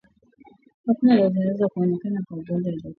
Hakuna dalili zinazoweza kuonekana kwa mgonjwa aliyekufa kwa kichaa